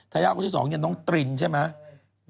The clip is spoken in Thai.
ทายาทกลุ่มที่สองเนี่ยน้องตรินใช่ไหม